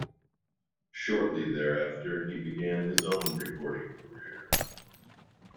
Shortly thereafter, he began his own recording career.